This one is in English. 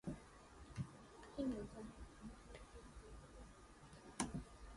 Whales of various types can be seen from the cliffs in December and January.